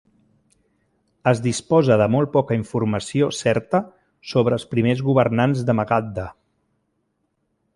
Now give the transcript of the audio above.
Es disposa de molt poca informació certa sobre els primers governants de Magadha.